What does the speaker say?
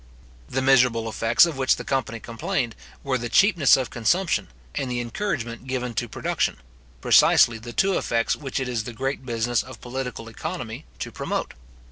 The miserable effects of which the company complained, were the cheapness of consumption, and the encouragement given to production; precisely the two effects which it is the great business of political economy to promote.